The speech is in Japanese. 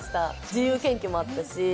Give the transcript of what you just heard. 自由研究もあったし。